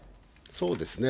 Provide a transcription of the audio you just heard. そうですね。